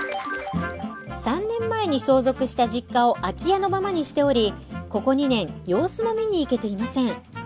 ３年前に相続した実家を空き家のままにしておりここ２年様子も見に行けていません。